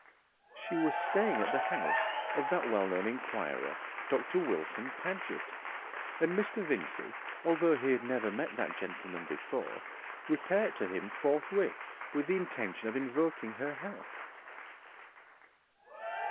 She was staying at the house of that well known inquirer, Dr. Wilson Paget, and Mr. Vincey, although he had never met that gentleman before, repaired to him forthwith with the intention of invoking her help.